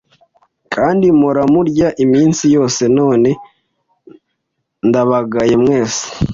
kandi mpora murya iminsi yose None ndabagaye mwese